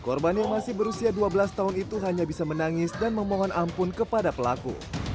korban yang masih berusia dua belas tahun itu hanya bisa menangis dan memohon ampun kepada pelaku